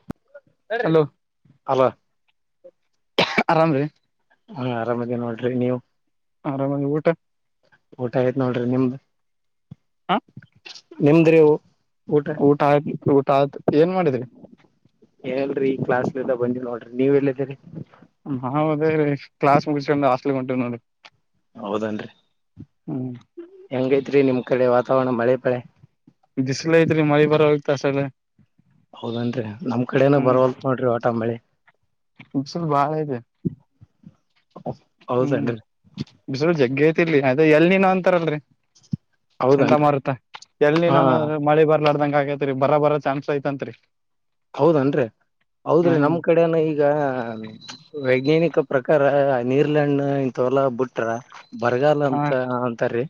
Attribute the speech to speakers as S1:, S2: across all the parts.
S1: [unintelligible]
S2: Hello
S1: ಅಲ್ಲ.
S2: ಆರಾಮ್ರೀ.
S1: ಹಾ ಆರಾಮದ ನೋಡ್ರಿ ನೀವು.
S2: ಆರಾಮಾಗಿ ಊಟ.
S1: ಊಟ ಆಯ್ತ್ ನೋಡ್ರಿ ನಿಮ್ದ.
S2: ಹ.
S1: ನಿಮದ್ರವು.
S2: ಊಟ ಆಯ ಊಟ ಆಯ್ತ ಏನ್ ಮಾಡಿದ್ರಿ.
S1: ಎಲ್ರರಿ ಈ ಕ್ಲಾಸ್ ಬಂದಿ ನೋಡ್ರಿ ನೀವ್ ಹೇಳಿದ್ದೀರಿ.
S2: ಹೌದೇ ರೀ ಕ್ಲಾಸ್ ಮುಗಿಸಸ್ಕೊಂಡ ಹಸ್ಟ್ಲ್ಗ್ಂಟವ್ ನೋಡಿರಿ.
S1: ಹೌದನ್ರಿ
S2: ಹ್ಮ್
S1: ಹೆಂಗೈತ್ರಿ ನಿಮ್ ಕಡೆ ವಾತಾವರಣ ಮಳೆ ಬೆಳೆ.
S2: ಬಿಸ್ಲೇ ಐತ್ರಿ ಮಳಿ ಬರ ಹೋಗತಾ ಅ.
S1: ಹೌದೇನ್ರಿ ನಮ್ ಕಡೆೇನ ಬರವಲ್ ನೋಡ್ರಿ. [unintelligible]
S2: ಇಸವಲ್ ಬಾಳ ಇದೆ. ಹ್ಮ್
S1: ಹೌದನ್ರಿ
S2: ಬಿಸರು ಜಗ್ಗೆ ತಿರ್ಲಿ ಅದ ಎಲ್ ನೀನು ಅಂತಾರಲ್ರಿ. ಚಂದ
S1: ಹೌದನ್ರಿ
S2: ಮಾರುತ ಎಲ್ಲಿ
S1: ಹಾ
S2: ನಾನ ಮಳೆ ಬರ್ಲಡ್ದಂಗ ಆಗೇ. ರಿ ಬರ ಬರ ಚಾನ್ಸ್ ಐತನ್ತ್ರಿ.
S1: ಹೌದನ್ರಿ ಹೌದ್ರಿ
S2: ಹ್ಮ್
S1: ನಮ್ ಕಡೆನ ಈಗ ವೈಜ್ಞಾನಿಕ. ಪ್ರಕಾರ ನೀರ್ಲ್ಯಂಡ್ ಇಂತೋಲಾ ಬಿಟ್ರ ಬರಗಾಲ ಅಂತ ಅಂತಾರೀ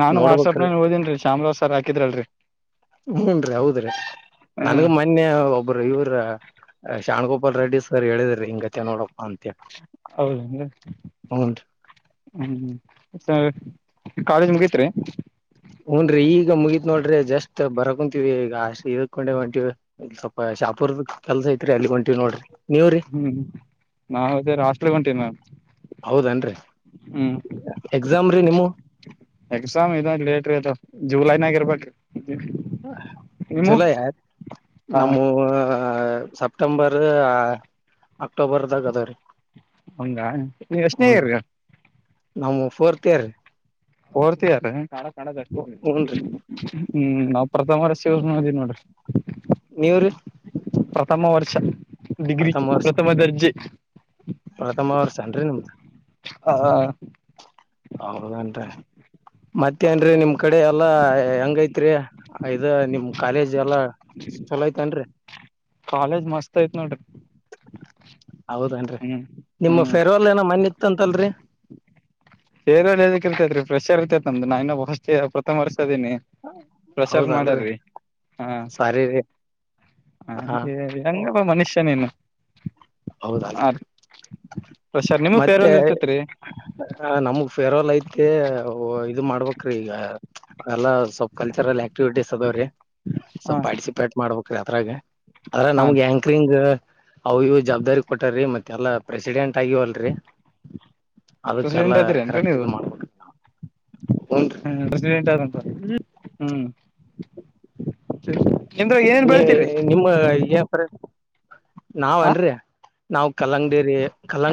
S2: ನಾನ್ ವಾಟ್ಸ್ಆಪ್
S1: ನೋಡ್ಬೇಕ್ರಿ
S2: ನಲ್ಲಿ ಹೋದೇನ್ರಿ ಶಾಮಾವಾಜ ಸರ್ ಹಾಕಿದ್ರಲ್ರರಿ.
S1: ಹ್ಮನ್ ರೀ ಹೌದ್ರಿ
S2: ಹ್ಮ್
S1: ನನ್ಗ ಮೊನ್ನೆ ಒಬ್ರು ಇವರ. ಶಾಣ್ಗೋಪಾಲ್ ರೆಡಿ ಸ ಹೇಳಿದ್ರಿ ಹಿಂಗ ಚೆ ನೋಡ.
S2: ಹೌದಂದ್ರ
S1: ಹ್ನ್
S2: ಹ್ಮ. ಕಾಲೇಜ್ ಮುಗತ್ರಿ.
S1: ಹೂನ್ರಿ ವಿ ಈಗ ಅಷ್ಟ ಇದಕೊಂಡೆ ಹೊಂಟೀವಿ ಸ್ವಪ ಶಾಪುರ್ದ ಕೆಲ್ಸ ಐತ್ರಿ ಅಲ್ಲಿ ಹೊಂಟಿವವಿ ನೋಡ್ರಿ. ನೀವ್ರಿ
S2: ಹ್ಮ್ ನಾವವುದ ಹಾಸ್ಟೆಲ್ ಹೊಂಟೀವಿ ನಾಮ್.
S1: ಹೌದನ್ರಿ ಎಕ್ಸಾಮ್ರೀ ನಿಮ್.
S2: ಎಕ್ಸಾಮ್ ಇದ ಲೇಟ್ರಿ ಅದ ಜೂಲೈನಾಗ ಇರ್ಬ್ರೀ.
S1: ಜುಲೈ ಆ
S2: ಹ
S1: ನಮ್ಮ. ಆ ಸೆಪ್ಟೆಂಬರ್ ಅಕ್ಟೋಬರ್ದಾಗ ಅದಾವ ರೀ.
S2: ಹೌದಾ ನೀ ಎಷ್ಟನೆ ಇಯರ್.
S1: ನಮ್ಮ ಫೋರ್ತ ಇಯರ್.
S2: ಓಡ್ತಾರ ಕ ಕದಷ್ಟ
S1: ಹುನ್ರಿ
S2: ಹ್ಮ ಪ್ರಥಮ ವರ್ಷಷ ತಿನ್ನೋಡು
S1: ನೀವ್ರಿ
S2: ಪ್ರಥಮ ವರ್ಷ ಡಿಗ್ರಿ ಪ್ರಥಮ ದರ್ಜೆ
S1: ಪ್ರಥಮ ವರ್ಷನ್ರಿ ನಿಮ್ದ
S2: ಹಾ
S1: ಹೌದನ್ ಮತ್ತೇನ್ೀ ನಿಮ್ ಕಡೆ ಎಲ್ಲಾ ಹೆಂಗೈತ್ರಿ ಆಐದ ನಿಮ ಕಾಲೇಜ್ ಎಲ್ಲಾ ಚಲೋ ಐತನ್ರಿ
S2: ಕಾಲೇಜ್ ಮಸ್ತ್ ಆಯ್ತ್ ನೋಡ್ರಿ
S1: ಹೌದೇನ್ರಿ
S2: ಹ್ಮ್
S1: ನಿಮ್ಮ
S2: ಹ್ಮ್
S1: ಫೆರ್ವಾಲ್ ಏನ ಮ್ಣ ಇತ್ತಂತಲ್ರಿ
S2: ಸೇರ್ದ ಇರ್ೈತತ್ ್ರೆಶರ್ೈತೆತಮ್ದು ನ ಇನ್ನು ಬ ಅಷ್ಟ ಪ್ರಥಮ ವರ್ಷ ನಿ ಪ್ರಸಾದ
S1: ಹೌದಲ್ರರಿ
S2: ಮಾಡ್ಯಾರರಿ ಹಾ
S1: ಸಾರಿ ರೀ
S2: ಹ ಹೆಂಗಪ್ಪ ಮನುಷ್ಯನೇನು
S1: ಹೌದ
S2: ಫ್ರೆಷರ್ ನಿಮಗ್
S1: ಮತ್ತೆ
S2: ಫೇರ್ವೆಲ್ ಇರ್ತೈತ್ರಿ
S1: ನಮಗ ಫೇರ್ವೆಲ್ ಐತೆ ಇದು ಮಾಡ್ಬೇಕ್ರೀ ಈಗ ಎಲ್ಲ ಸ್ವಲ್ ಕಲ್ಚರಲ್ ಆಕ್ಟಿವಿಟೀಸ್ ಅ [unintelligible]
S2: ಹಾ
S1: ಸ್ಲ್ ಪಾರ್ಟಿಸಿಪೇಟ್ ಮಾಡ್ಬೇಕ್ರೀ ಅದ್ರಾಗ ಆದದ್ರ
S2: ಹಾ
S1: ನಮ್ಗೆ
S2: ರೀ
S1: ಆಂಕ್ರಿಂಗ್ ಅವ್ಯ ಜವಾಬ್ದಾರಿ ಕೊಟ್ಟಾರರಿ ಮತ್ತೆ ಎಲ್ಲಾ ಪ್ರೆಸಿಡೆಂಟ್ ಆಗ್ಯಿವಲ್ರಿ ಅದಕ್ಕೆಲ್ಲ
S2: ಪ್ರೆಸಿಡೆಂಟ್ ಅದಿರೇನ್ರಿ
S1: ಕರೆಕ್ಟ್
S2: ನೀವು
S1: ಇ ಮಾಡ್ಬಿಟ್ಟ ನಾ
S2: ಹ್ಮ್ ಬಸ ಎಂಟಂತ ಹ್ಮ್ರ್
S1: ನೀ ನಿಮ್ಮ
S2: ಹ
S1: ನಾವನ್ರಿ ನಾವು ಕಲ್ಲಂಗಡಿರಿ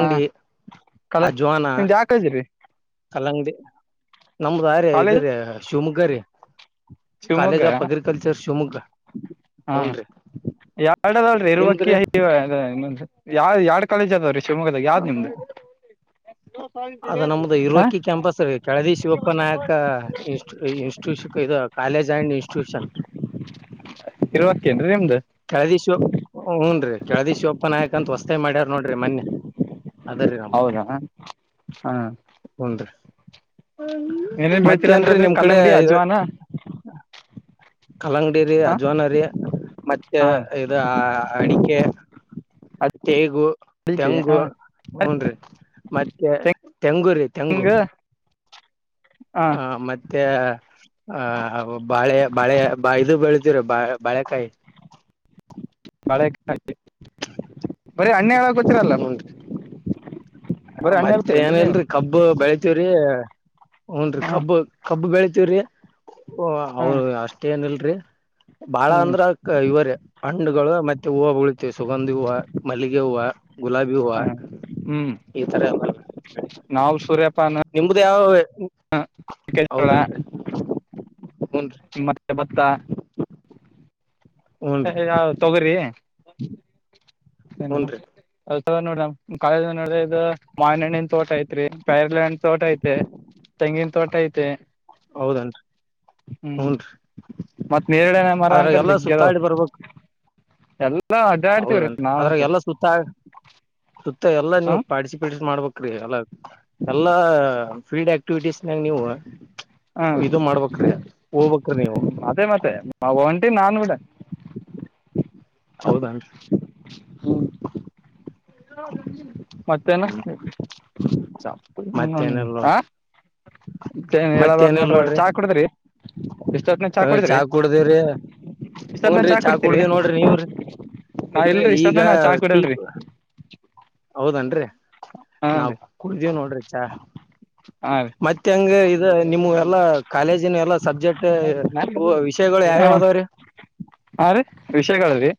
S2: ಹ ಕಲ
S1: ಅಜ್ವಾನ
S2: ನಿಮ್ದ್ ಯಾವ ಕಾಲೇಜ್ ರೀ
S1: ಕಲ್ಲಂಗಡಿ ನಮ್ದ ಆ ರ ಇದ
S2: ಕಾಲೇಜ್
S1: ರೀ ಶಿವಮೊಗ್ಗ ರೀ
S2: Shivamogga
S1: college of agriculture Shivamogga
S2: ಹಾ
S1: ಹೂನ್ರಿ
S2: ಎರಡ್ ಅದಾವ್ರಿ ಇರುವಕ್ಕಿ
S1: ನಿಮ್ದ್ರಿ
S2: ಯಾವ ಯಾರ್ಡ್ ಕಾಲೇಜ್ ಅದಾವ್ರಿ ಶಿವಮೊಗ್ಗಾಗ ಯಾವ್ದ್ ನಿಮ್ದು
S1: ಅದ ನಮ್ದು
S2: ಹ
S1: ಇರುವಕಿ ಕ್ಯಾಂಪಸ್ೀ ಕೆಳದಿ ಶಿವಪ್ಪನಾಯಕ ಇ ಇನ್ಸ್ಟಿಟ್ಯೂಷನ್ ಇದು ಕಾಲೇಜ್ ಆ್ಯಂಡ್ ಇನ್ಸ್ಟಿಟ್ಯೂಷನ್
S2: [unintelligible] ನಿಮ್ದು
S1: ಕಳದಿ ಶಿವ ಹೂಞನ್ ರೀ ಕಳದಿ ಶಿವಪನ್ಾಯಕ ಅಂತ ಹೊಸ್ತಾಯ ಮಾಡ್ಯಾರ್ ನೋಡ್ರಿ ಮೊನ್ನೆ ಅದ್ರೀ ನಮ
S2: ಹೌದಾ ಹಾ
S1: ಹನ್ೀ
S2: ಏನೇನ್ ಬೆಳಿತೀರ
S1: ಮತ್ತೇ ನ್ೀ
S2: ಅಂದ್ರಲ್ರಿ
S1: ನಿಮ್ ಕಡೆ
S2: ಕಲ್ಲಂಗಡಿ ಅಜ್ವಾನ
S1: ಕಲ್ಲಂಗಡಿ
S2: ಹ
S1: ಅಜ್ವನರಿ ಮತ್ತೆ
S2: ಹಾ
S1: ಇದು ಅಡಿಕೆ ತೇಗು
S2: ಅಡಿಕೆ ಹ
S1: ತೆಂಗು ಹನ್ೀ ಮತ್ತೆ ತೆಂಗು ರೀ ತೆಂಗು
S2: ತೆಂಗ
S1: ಹ ಮತ್ತೆ ಮತ್ತೆ ಆಹ ಬಾಳೆ ಬಾಳೆ ಇದು ಬೆಳತಿರು ಬ ಬಾಳೆಕಾಯಿ
S2: ಬಾಳೆಕಾಯಿ ಬರೀ ಹಣ್ಣು ಯಾವ ಗೊತ್ತೀರಲ್ಲ
S1: ಹೂನ್
S2: ಬರೀ ಹಣ್ಣು ಹೇಳ್ತೀರನ್ರಿ ನೀವು
S1: ವ್ರಿ ಹನ್ರಿ
S2: ಹ
S1: ಕಬ್ಬ ಕಬ್ಬು ಬೆಳತಿೀವ್ರಿ ಓ
S2: ಹ
S1: ಅವರು ಅಷ್ಟೇ ಏನಿಲ್ರಿ ಬಾಳ
S2: ಹ್ಮ್
S1: ಅಂದ್ರ ಇವರ ಹಣ್ಣುಗಳು ಮತ್ತೆ ಹೂವು ಬಳಿತೆ ಸುಗಂಧಿ ಹೂವು ಮಲ್ಲಿಗೆ ಹೂವು ಗುಲಾಬಿ ಹ
S2: ಹ್ಮ್
S1: ಈಥರ
S2: ನಾವು ಸೂರ್ಯಪಾನ
S1: ಯಾವ
S2: ೋಳ
S1: ಹೌದನ್ರಿ ಹೂನ್ರಿ
S2: ಮತ್ತೆ ಭತ್ತ
S1: ಹೂನ್ರಿ
S2: ಯಾವ ತೊಗರಿ
S1: ಹೂನ್ರಿ
S2: ಏನು ನೋಡ ಕಾಲೇಜ ನೋಡ ಇದು ಮಾವಿನ ಹಣ್ಣಿನ ತೋಟ ಐತ್ರಿ ಪೈರ್ಲ್ಂಡ್ ತೋಟ ಐತಿ. ತೆಂಗಿನ ತೋಟ ಐತೆ.
S1: ಹೌದನ್ರಿ
S2: ಹ್ಮ್
S1: ಹುನ್ರೀ
S2: ಮತ್ ನೇರಳೆ ಮರ
S1: ಆದದ್ರಾಗ
S2: ಅಂಕರ್
S1: ಎಲ್ಲಾ
S2: ಜಗ್ಗಿ ಅದಾವ
S1: ಸುತ್ತಾಡಿ ಬರ್ಬೇಕು
S2: ಎಲ್ಲಾ ಅಡ್ಡಾಡ್ತೇವ್ರೀ ನಾವ್ ಅಂತ
S1: ಅದ್ರಾಗ ಎಲ್ಲಾ ಸುತ್ತಾಡ ಸುತ್ತ ಎಲ್ಲಾ ನೀವು ಪಾರ್ಟಿಸಿಪೇಟ್ನ್ ಮಾಡ್ಬೇಕ್ರಿ ಎಲ್ಲಾ ಎಲ್ಲಾ ಫೀಲ್ಡ್ ಆಕ್ಟಿವಿಟೀಸ್ನಾಗ ನೀವು
S2: ಹ
S1: ಇದು ಮಾಡ್ಬೇಕ್ರಿ ಹೋಗ್ಬೇಕ್ರಿ ನೀವು
S2: ಅದೇ ಮತ್ತೆ ಮಾ ಒಂಟಿ ನಾನ ಕೂಡ
S1: ಹೌದನ್ರಿ
S2: ಹ್ಮ
S1: [unintelligible]
S2: ಮತ್ತೇನ ಚಪ್ಪ
S1: ಮತ್ತೇನಿಲ್ಲ ನೋಡ್ರಿ
S2: [unintelligible] ಏನ್ ಹೇಳಬಕ್
S1: ಮತ್ತೇನಿಲ್ಲ
S2: ನೋಡ್ರ
S1: ನೋಡ್ರಿ
S2: ಚಾ ಕುಡದ್ರಿ ಬಿಸಲತ್ನ ಚಾ ಕುಡಿದ್ರಿ ಬಿಸ್ತತ್ನ
S1: ಹೂನ್ರಿ
S2: ಚಾ ಕುಡತೀರಿ
S1: ಕುಡ್ದೇವ್ ನೋಡ್ರಿ ನೀವ್ರಿ
S2: ನಾ
S1: ಇಲ್ರಿ
S2: ಇಲ್ರರಿ
S1: ಈಗ
S2: ಇಷ್ಟತ್ತ ನಾ ಚಾ
S1: ಟೀ
S2: ಕುಡಲ್ರಿ
S1: ಹೌದನ್ರಿ
S2: ಹಾ
S1: ನಾವ್
S2: ರೀ
S1: ಕುಡ್ದೀವ್ ನೋಡ್ರಿ ಚಾ
S2: ಹಾ ರೀ
S1: ಮತ್ತೆ ಹಂಗ ಇ ನಿಮ್ ಎಲ್ಲಾ ಕಾಲೇಜಿನ ಎಲ್ಲಾ ಸಬ್ಜೆಕ್ಟ್ ವಿಷಯ ಗಳು ಯಾವ
S2: ಹಾ
S1: ಯಾವದಾವ್ರೀ
S2: ಹಾ ರೀ ವಿಷಯಗಳ್ರಿ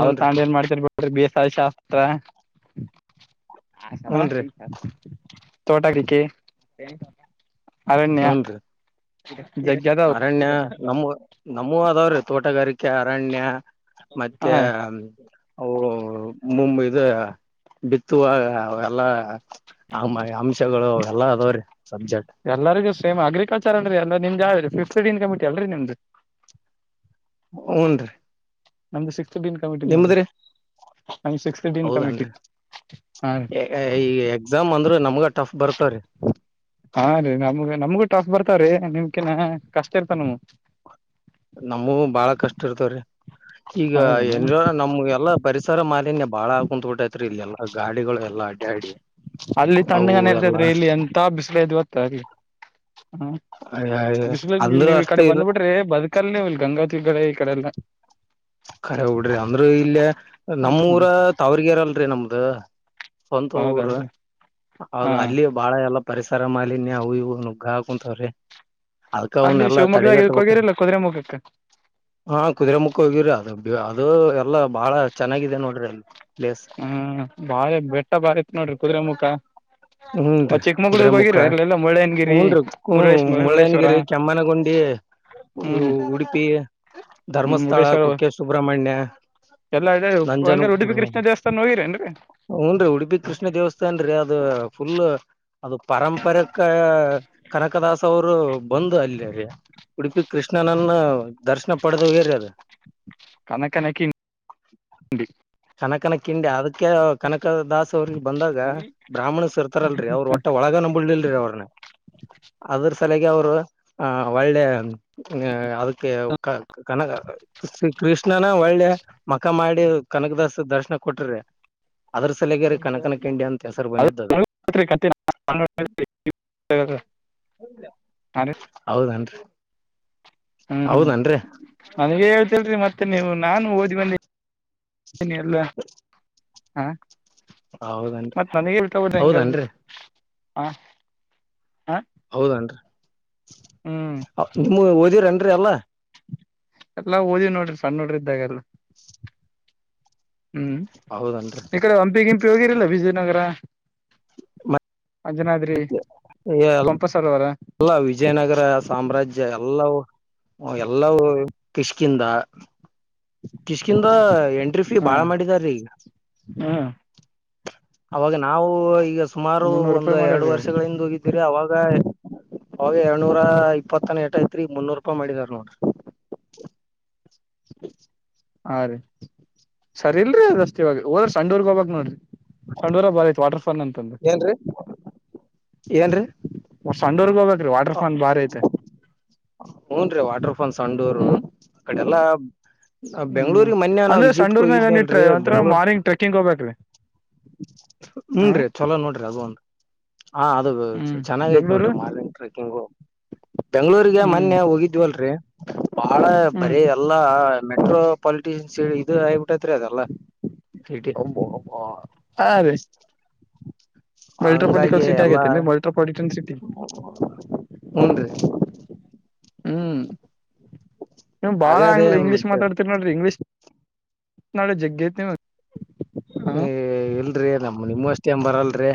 S2: ಅವ ತಾಂಡ ಏನ್ ಮಾಡ್ತಿರ್ ಬಸಾಲ ಶಾಸ್ತ್ರ
S1: ಹೂನ್ರಿ
S2: ಶ [unintelligible] ತೋಟ ಕಿಕೆ ಅರಣ್ಯಾ
S1: ಹೂನ್ರಿ ಅರಣ್ಯ ನಮ್ಮೂ ನಮ್ಮೂ ಅದಾವ್ರೀ ತೋಟಗಾರಿಕೆ ಅರಣ್ಯಾ ಮತ್ತೆ
S2: ಹ
S1: ಅವು ಮು ಇದು ಬಿತ್ತುವ ಎಲ್ಲಾ ಅಂಶಗಳು ಎಲ್ಲಾ ಅದ್ರೀ
S2: ಎಲ್ಲರಿಗೂ ಸೇಮ್ ಅಗ್ರಿಕಲ್ಚರ್ ಅನ್ರಿ ಎಲ್ಲಾ ನಿಮ್ ಯಾವದರೀ ಫಿಫ್ತ್ ಡನ್ ಕಮ್ಮಿಟಿ ಅಲ್ರರಿ ನಿಮ್ದು
S1: ಹೂನ ರೀ
S2: ನಮ್ದು ಸಿಕ್ಸ್ತ್ ಡೀನ್ ಕಮಿಟಿ ನೋ ನಮ ಸಿಕ್ಸ್ತ್ ಡೀನ್ ಕಮಿಟಿ
S1: ಹೌದನ್ರಿ
S2: ಹಾ ರೀ
S1: ಈ ಎಕ್ಸಾಮ್ ಅಂದ್ರೂ ನಮ್ಗ ಟಫ್ ಬರ್ತವ್ರೀ
S2: ಹಾ ರೀ ನಮ್ಗ ನಮ್ಗೂ ಟಾಸ್ಕ್ ಬರ್ತಾವ್ರೀ ನಿಮ್ಕ ಕಷ್ಟ ಇರ್ತ ನಮು
S1: ನಮೂ ಬಾಳ ಕಷ್ಟ ಇರ್ತವ್ರಿ ಈಗ
S2: ಹೌದೇನ
S1: ಎಏನ್ ನಮ್ಗೆ ಎಲ್ಲಾ ಪರಿಸರ ಮಾಲಿನ್ಯ ಬಾಳ ಆಗಿ ಕುಂತತ್ ಬಿಟೈತ್ರಿ ಇಲ್ಲ
S2: ಅಲ್ಲಿ
S1: ಅವು
S2: ತಣ್ಣಗನ
S1: ಎಲ್ಲಾ
S2: ಇರ್ತತ್ರಿ ಇಲ್ಲಿ ಎಂತ ಬಿಸಿಲ ಐತ ಇವತ್ತ ಅಲ್ಲಿ ಹ್ಮ ಬ
S1: ಅಂದ್ರ
S2: ನೀವ್ ಈ ಕಡೆ
S1: ಅಷ್ಟೇ ಇ
S2: ಬಂದ್ಬಿಟ್ರಿ ಬದುಕಲ್ ನೀವು ಇಲ್ಲಿ ಗಂಗಾವ ಈಕಡೆ ಈ ಕಡೆಲ್ಲ
S1: ಕಖರೆ ಹೋಗಡ್ರಿ ಅಂದ್ರೂ ಇಲ್ಲೇ ನಮ್ಮೂಊರ
S2: ಹ್ಮ್
S1: ತಾವರಗೆರ ಅಲ್ರರಿ ನಮ್ದ ಸ್ವಂತ ಊರ
S2: ಹೌದಲ್ರಿ ಹಾ
S1: ಹೌದು ಅಲ್ಲಿಯ ಬಾಳ ಎಲ್ಲಾ ಪರಿಸರ ಮಾಲನ್ಯ ಅವು ಇವು ನುಗ್ಗ ಹಾಕ ಕುತ್ವ್ರಿ ಅದಕ
S2: ಅದ್
S1: ಅವನ್
S2: ನೀವ್
S1: ಎಲ್ಲಾ
S2: ಶಿವಮೊಗ್ಗದಾಗ ಇದಕ್
S1: ತಡೆಗಟ್ಟಬೇಕಾರ
S2: ಹೋಗಿರಿಲ್ಲ ಕುದುರೆಮುಖಕ್ಕ
S1: ಹಾ ಕುದುರೆ ಮುಖ ಹೋಗಿವರಿ ಅದು ಎಲ್ಲ ಬಾಳ ಚೆನ್ನಾಗಿದೆ ನೋಡ್ರಿ ಅಲ್ಲಿ ಪ್ಲೇಸ್
S2: ಹ್ಮ್ ಭಾರಿ ಬೆಟ್ಟ ಭಾ ಇತ್ ನೋಡ್ರಿ ಕುದುರೆ ಮುಖಾ
S1: ಹೂನ್ ರರಿ ಕುದುರೆ ಮುಖಾ ಹೂ
S2: ಮುಳ್ಳಯ್ಯನಗಿರಿ
S1: ನ್ರಿ ಹ
S2: ಮುರುಡೇಶ್ವರ ಮುರುಡೇಶ್ವರ
S1: ಮುಳ್ಳಯ್ಯನಗಿರಿ ಕೆಮ್ಮನಗುಂಡಿ
S2: ಹ್ಮ್
S1: ಉಡುಪಿ ಧರ್ಮಸ್ಥಳ
S2: ಮುರುಡೇಶ್ವರ
S1: ಕುಕ್ಕೆ ಸುಬ್ರಹ್ಮಣ್ಯ.
S2: ಎಲ್ಲಾ ಇದೆ ಹಂಗಾರ ಉಡುಪಿ
S1: ನಂಜನಗೂಡುವ
S2: ಕೃಷ್ಣ ದೇವಸ್ಥಾನ ಹೋಗಿರೇನ್ರಿ
S1: ಹ್ನ್ ರೀ ಉಡುಪಿ ಕೃಷ್ಣ ದೇವಸ್ಥಾನ್ ರೀ ಅದ ಫುಲ್ ಅದು ಪಾರಂಪರೆ ಕನಕದಾಾಸ ಅವರು ಬಂದು ಅಲ್ಲಿ ರ ಉಡುಪಿ ಕೃಷ್ಣನನ್ನ ದರ್ಶನ ಪಡೆದು ಹೋಗ್ಯಾರಿ ಅವರ
S2: ಕನಕನ ಕ್ಕಿಂಡಿ
S1: ಕನಕನಕಿಂಡದು. ಕ್ಕೆ ಕನಕದಾಸ್ ಅವ್ರು ಇಲ್ ಬಂದಾಗ ಬ್ರಾಹ್ಮಣಸ್ ಇರ್ತಾರಲ್ರರಿ ಅವ್ರು ಒಟ್ ಒಳಗನ ಬಿಡ್ಲಿಲ್ರಿ ಅವ್ರನ್ನ. ಅದ್ರ ತಲೆಗೆ ಅವರು ಆ ಒಳ್ಳೆ ಅದಕ್ಕೆ ಕನ ಕೃಷ್ಣನ ಒಳ್ಳೆ ಮಖ ಮಾಡಿ ಕನಕದಾಸ ದರ್ಶನ ಕೊಟ್ರಿ. ಅದ್ರ ಸಲಗಿ ರಿ ಕಣಕನ ಕಿಂಡಿ ಅಂತ ಹೆಸರು ಬಂದಿದ್ದದು. ಹೌದನ್ರಿ
S2: ಹ್ಮ್ ಹ್ಮ್
S1: ಹೌದನ್ರಿ
S2: ನನ್ಗೆ ಹೇಳ್ತಿಲ್ರಿ ಮತ್ತೆ ನೀವು ನಾನು ಓದಿ ಬಂದಿ ಬಂದಿನಿ ಎಲ್ಲಾ
S1: ಹೌದನ್ರಿ
S2: ಮತ್ ನನ್ಗೆ ಉಲ್ಲಾ ಹೆಂಡ್ದ್ರೆ ಹೆಂಗ್ ಎಲ್ರಿ
S1: ಹೌದನ್ರಿ ಹೌದೇನ್ರಿ ನಿಮ್ಮ ಓದಿರನ್ರಿ ಎಲ್ಲಾ.
S2: ಎಲ್ಲಾ ಓದಿ ವ್ ನೋಡ್ರಿ ಸಣ್ ಹುಡ್ರು ಇದಾಗೆಲ್ಲ.
S1: [inaudible]
S2: ಹ್ಮ್
S1: ಹೌದನ್ರಿ
S2: ಈ ಕಡೆ ಹಂಪಿ ಗಂಪಿ ಹೋಗಿರಲಿಲ್ಲ ವಿಜಯ್ನಗರ. ಅಂಜನಾದ್ರಿ ಪಂಪ ಸರೋವರ
S1: ಎಲ್ಲ ವಿಜಯ್ ನಗರ ಸಾಮ್ರಾಜ್ಯ ಎಲ್ಲ ಎಲ್ಲವು ಕಿಷ್ಕಿಂದ. ಕಿಶ್ಕಿಂದ ಎಂಟ್ರಿ ಫೀ
S2: ಹಾ
S1: ಬಾಳ ಮಾಡಿದಾರೀ ಈಗ.
S2: ಹ್ಮ್
S1: ಅವಾಗ ನಾವು ಈಗ ಸುಮಾರು
S2: ಮುನ್ನೂರು ರೂಪಾಯಿ
S1: ಒಂದು ಎರಡು
S2: ಮಾಡ್ಯಾರೀ
S1: ವರ್ಷಗಳಿಂದ ಹೋಗಿದಿವಿ ರಿ ಅವಾಗ. ಅವಾಗ ಏಳ್ನೂರ ಇಪ್ಪತ್ತನ ಏಟ್ ಐತ್ರಿ ಮುನ್ನೂರು ರೂಪಾಯಿ ಮಾಡಿದಾರ ನೋಡ್ರಿ. [inaudible]
S2: ಹಾ ರೀ ಸರಿ ಇಲ್ರಿ ಅದಷ್ಟ್ ಇವಾಗ ಹೋದ ಸಂಡೂರ್ಗ್ ಹೋಗಬಕ್ ನೋಡ್ರಿ. ಸಂಡೂರಾಗ್ ಬಾಳ ಐತ್ ವಾಟರ್ ಫಾ [unintelligible]
S1: ಏನ್ರೀ ಏನ್ರೀ
S2: [unintelligible] ಹೋಗಬೇಕ್ರೀ ವಾಟರ್ ಫಾನ್ ಬಾರಿ ಐತೆ
S1: ಹೂನ್ ರೀ ವಾಟರ್ಫಾಲ್ಸ್ ಸಂಡೂರು
S2: ಹ್ಮ್
S1: ಅ ಕಡೆ ಎಲ್ಲಾ.
S2: ಹ್ಮ್ ಅಂದ್ರೆ ಸಂಡೂರ್ನಾಗ ನಿ ಇಟ್ರೆ
S1: ಹೋಗಿದ್ನಲ್ರರಿ
S2: ಒಂಥರ ಮಾರ್ನಿಂಗ್ ಟ್ರೆಕ್ಕಿಂಗ್ ಹೋಗಬೇಕ್ರೀ.
S1: ಹುನ್ರಿ ಚೊಲೋ ನೋಡ್ರಿ [unintelligible] ಹಾ ಅದು
S2: ಹ್ಮ್
S1: ಚೆನ್ನಾಗೈತ್ ನೋಡ್ರಿ
S2: ಬೆಂಗ್ಳೂರು
S1: ಮಾರ್ನಿಂಗ್ ಟ್ರೆಕ್ಕಿಂಗು. ಬೆಂಗ್ಳೂರ್ರಿಗೆ
S2: ಹ್ಮ್
S1: ಮೊನ್ನೆ ಹೋಗಿದ್ವಲ್ರರಿ. ಬಾಳ
S2: ಹ್ಮ್
S1: ಬರಿ ಎಲ್ಲಾ ಮೆಟ್ರೋ ಪಾಲಿಟಿಷನ್ಸ್ ಇದು ಆ [unintelligible] ಗೊತ್ತ್ದ್ರಿ ಅದೆಲ್ಲ ಸಿಟಿ.
S2: ಹಾ ರೀ ಮೆಟ್ರೋಪಾಲಿಟಿಕಲ್
S1: ಹಂಗಾಗೆ
S2: ಸಿಟಿ
S1: ಎಲ್ಲಾ
S2: ಆಗೈತೆೇನ್ರಿ ಮೆಟ್ರೋಪಾಲಿಟನ್ ಸಿಟಿ
S1: ಹುನ್ ರಿ
S2: ಹ್ಮ್ ನೀ ಬಾಳ
S1: ಹಾಗಾದ್ರೆ
S2: ಆಂಗ್ಲಿ ಇಂಗ್ಲಿಷ್
S1: ಮತ್ತೆ
S2: ಮಾತಾಡ್ತಿರ್ ನೋಡ್ರಿ ಇಂಗ್ಲಿಷ್ ನಾಳೆ ಜಗ್ಗೆತಿ
S1: ಎ ಇಲ್ರಿ ನನ್ಮ್ ನಿಮ್ಮ ಅಷ್ಟೇನ್ ಬರಲ್ - - ಲ್ರಿ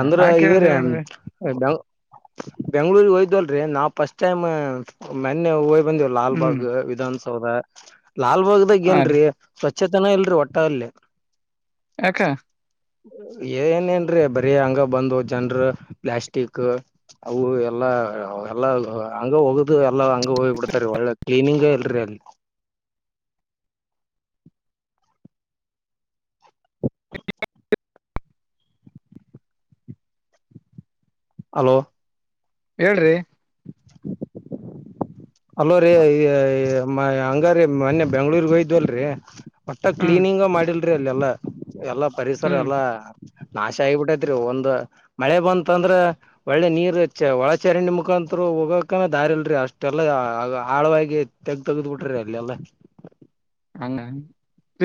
S1: ಅಂದ್ರ
S2: ಯಾಕ್
S1: ಇದ
S2: ಹೇಳ್ದೆ
S1: ರಿ
S2: ನೋಡ್ರಿ
S1: [unintelligible] ಬೆಂಗ್ಳೂರ್ ಹೋಗಿದ್ವಾಲ್ರಿ ನಾವು ಫಸ್ಟ್ ಟೈಮ್ ಮೊನ್ನೆ ಹೊ ಬಂದೇವ
S2: ಹ್ಮ್
S1: ಲಾಲ್ಬಾಗ್ ವಿಧಾನಸೌಧ ಲಾಲ್ಬಾಗ್ದಾಗ
S2: ಹಾ ರೀ
S1: ಏನ್ರೀ ಸ್ವಚ್ಛತೆನ ಇಲ್ರರಿ ಒಟ್ ಓಟ್ ಅಲ್ಲಿ
S2: ಯಾಕ
S1: ಏನ್ಇಲ್ರಿ ಬರೀ ಹಂಗ ಬಂದು ಜನ್ರು ಪ್ಲಾಸ್ಟಿಕ್. ಅವು ಎಲ್ಲಾ ಎಲ್ಲಾ ಹಂಗ ಹೋಗ್ದ ಎಲ್ಲಾ ಹಂಗ ಹೋಗ್ ಬಿಡ್ತೀ ಒಳ್ಳೆ ಕ್ಲೀನಿಂಗ್ ಇಲ್ರಿ. [inaudible] ಹಲೋ
S2: ಹೇಳ್ರಿ
S1: ಹಲೊ ರೀ ಇ ಅಂಗಾರಿ ಮೊನ್ನೆ ಬೆಂಗ್ಳೂರ್ ಹೋಗಿದ್ವಲ್ರಿ ಮಟ್ಟ
S2: ಹ್ಮ್
S1: ಕ್ಲೀನಿಂಗ ಮಾಡಿಲ್ರಿ ಅಲ್ಲೆಲ್ಲಾ. ಎಲ್ಲಾ ಪರಿಸರ
S2: ಹ್ಮ್
S1: ಎಲ್ಲಾ. ನಾಶ ಆಗಿಬಿಟ್ಟೈತ್ರಿ ಒಂದ್ ಮಳೆ ಬಂತ ಅಂದ್ರ ಒಳ್ಳೆ ನೀರ್ ಒಳ ಚರಂಡಿ ಮುಖಾತ್ರು. ಹೋಗಕ ದಾರಿಲ್ರಿ ಅಷ್ಟೆಲ್ಲಾ ಆಳವಾಗಿ ತೆಗ ತೆಗ್ದ್ ಬಿಟ್ರಿ ಅಲ್ಲೆಲ್ಲ.
S2: ಹಂಗ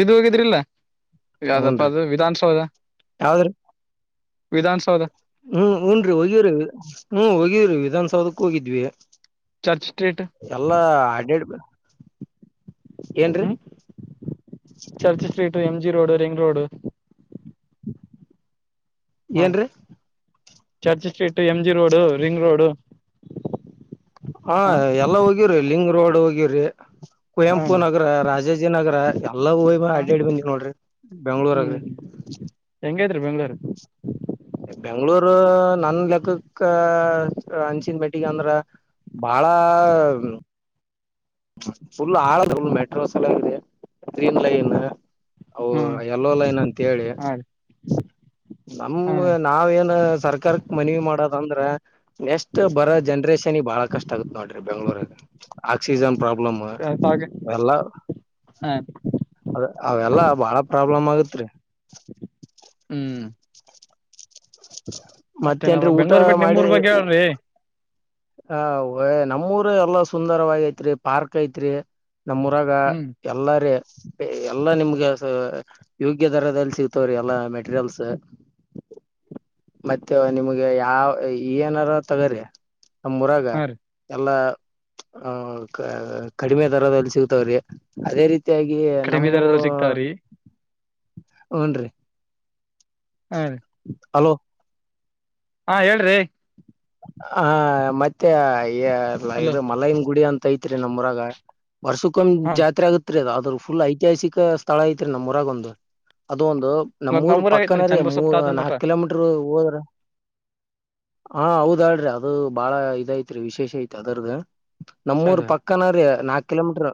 S2: ಇ ಹೋಗಿದ್ರಿಲ್ಲ ಅದಪ್ಪ ಅದು ವಿಧಾನಸೌಧ.
S1: ಯಾವ್ದ್ರ.
S2: ವಿಧಾನಸೌಧ.
S1: ಹ್ಮ್ ಹುನ್ರಿ ಹೋಗಿವ್ರಿ ಹ್ಮ್ ಹೋಗೀವ್ರಿ ವಿಧನ್ಸೌದಕ್ ಹೋಗಿದ್ವಿ.
S2: ಚರ್ಚ್ ಸ್ಟ್ರೀಟ್
S1: ಎಲ್ಲಾ ಅಡ್ಡಾಡಿ ಏನ ರಿ.
S2: ಹ್ಮ್ church street M G road ring road.
S1: ಏನ್ ರೀ.
S2: Church street M G road ring road.
S1: ಹಾ ಎಲ್ಲ ಹೋಗಿವವ್ರಿ ಲಿಂಗ್ ರೋಡ್ ಹೋಗಿವವ್ರಿ. ಕುವೆಂಪು
S2: ಹ್ಮ್
S1: ನಗರ ರಾಜಾಜಿ ನಗರ ಎಲ್ಲಾ ಹಯ್ ಅಡ್ಡಾಡ್ ಬಂದವಿ ನೋಡ್ರಿ ಬೆಂಗ್ಳೂರಗ್. [inaudible]
S2: ಸ ಬೆಂಗ್ಳೂರು.
S1: ಬೆಂಗ್ಳೂರು ನನ್ ಲೆಕ್ಕಕ್ಕ ಅನ್ಸಿದ್ದ ಮಟ್ಟಿಗೆ ಅಂದ್ರ. ಬಾಳ. ಫುಲ್ ಆರಂದ ಮೆಟ್ರೋಸ ಎಲ್ಲ ಇ ಗ್ರೀನ್ ಲೈನ್. ಅವ
S2: ಹ್ಮ್
S1: ಎಲ್ಲೋ ಲೈನ್ ಅಂತ ಹೇಳಿ.
S2: ಹಾ ರೀ
S1: ನಮ
S2: ಹಾ
S1: ನಾವ ಏನ್ ಸರ್ಕಾರಕ್ ಮನವಿ ಮಾಡೋದಂದ್ರ ನೆಕ್ಟ್ ಬರೋ ಜನ್ರೇಷನ್ ಬಾಳ ಕಷ್ಟ ಆಗುತ್ತತ್ ನೋಡ್ರಿ ಬೆಂಗ್ಳೂರ ಆಕ್ಸಿಜನ್. ಪ್ರಾಬ್ಲಮ್ ಎಲ್ಲ. ಅದ ಅವೆಲ್ಲಾ ಬಾಳ ಪ್ರಾಬ್ಲಮ್ ಆಗತ್ರಿ.
S2: ಹ್ಮ್. ಮತ್ತೆ
S1: ಮತ್ತೇನ್ರೀ
S2: ನಾವ
S1: ಊಟ
S2: ಬೆಂಗ್ಳೂರ್ ಬಿಟ್ಟ ನಿಮ್ ಊರ್ ಬಗ್ಗೆ ಹೇಳ್ರಿ.
S1: ಹ ನಮ್ಮೂರ್ ಎಲ್ಲಾ ಸುಂದರವಾಗಿ ಐತ್ರಿ ಪಾರ್ಕ್ ಐತ್ರಿ. ನಮ್ಮೂರಗ
S2: ಹ್ಮ್
S1: ಎಲ್ಲಾರಿ. ಎಲ್ಲಾ ನಿಮ್ಗೆ ಯೋಗ್ಯ ದರದಲ್ಲಿ ಸಿಗ್ತವ್ರಿ ಎಲ್ಲಾ ಮೆಟೀರಿಯಲ್ಸ್.
S2: [unintelligible]
S1: ಮತ್ತೆ ನಿಮ್ಗೆ ಯಾವ ಏನಾರ ತಗರಿ. ನಮ್ಮೂರಾಗ
S2: ಹಾ ರೀ
S1: ಎಲ್ಲಾ. ಹ ಕಡಿಮೆ ದರದಲ್ಲಿ ಸಿಗ್ತಾವ್ರಿ ಅದೇ ರೀ ಪ್ರತ್ಯಾಗಿ
S2: ಕಡಿಮೆ
S1: ನಮ್ಮೂ
S2: ದರದಲ್ಲಿ ಸಿಗ್ತಾವ್ರಿ
S1: ಹನ್ರಿ.
S2: ಹಾ ರೀ. ಹಾ ಹೇಳ್ರಿ.
S1: ಹ ಮತ್ತೆಲ್ಲ
S2: ಹಲೋ
S1: ಇದು ಮಲೈಮ್ ಗುಡಿ ಅಂತ ಐತ್ರಿ ನಮ್ಮೂರಾಗ. ವರ್ಷಕ್ಕೊಂದ್
S2: ಹಾ
S1: ಜಾತ್ರೆ ಆಗತ್ರಿ ಅ್ರ ಫುಲ್ ಐತಿಹಾಸಿಕ ಸ್ಥಳ ಐತ್ರಿ ನಮ್ಮೂರಾಗ ಒಂದು. ಒಂದು
S2: ಮತ್
S1: ನಮ್ೂರ್
S2: ನಮ್ಮೂರಾಗ
S1: ಪಕ್ಕನ
S2: ಐತ್ರಿ
S1: ರೀ
S2: ಚನ್ನಬಸಪ್ಪ
S1: ಮೂರ್
S2: ತಾತನ್ ಮಠ
S1: ನಾಲ್ಕು ಕಿಲೋಮೀಟರ್ ಹೋದ. ಹಾ ಹೌದಾಳ್ರಿ ಅದು ಬಾಳ ಇದೈತ್ರಿ ವಿಶೇಷ ಐತ್ ಅದರ್ದ. ನಮ್ಮೂರ್ ಪಕ್ಕನ ರೀ ನಾಕ್ ಕಿಲೋಮೀಟರ್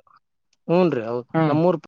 S1: ಹೂನ್ ರೀ ಹದ್
S2: ಹ್ಮ್
S1: ನಮ್ಮೂರ್ ಪ